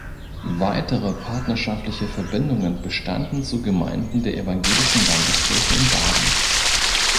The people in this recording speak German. Weitere partnerschaftliche Verbindungen bestanden zu Gemeinden der Evangelischen Landeskirche in Baden.